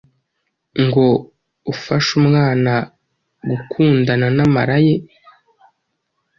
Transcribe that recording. ngo ufasha umwana gukundana n’amara ye,